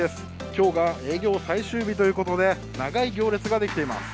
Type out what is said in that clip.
今日が営業最終日ということで長い行列ができています。